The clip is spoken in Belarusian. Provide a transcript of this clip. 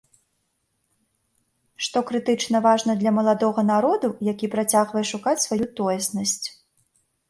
Што крытычна важна для маладога народу, які працягвае шукаць сваю тоеснасць.